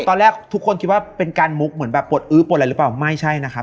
ตอนแรกทุกคนคิดว่าเป็นการมุกเหมือนแบบปวดอื้อปวดอะไรหรือเปล่าไม่ใช่นะครับ